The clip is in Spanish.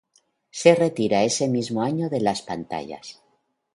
Se retira ese mismo año de las pantallas.